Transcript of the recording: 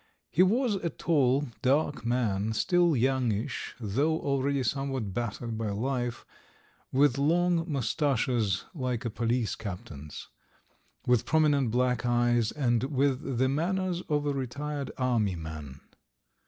He was a tall, dark man, still youngish, though already somewhat battered by life; with long moustaches like a police captain's; with prominent black eyes, and with the manners of a retired army man.